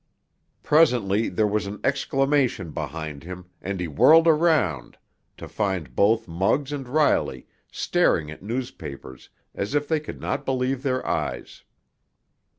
Presently there was an exclamation behind him, and he whirled around, to find both Muggs and Riley staring at newspapers as if they could not believe their eyes.